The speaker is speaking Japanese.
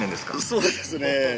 そうですね。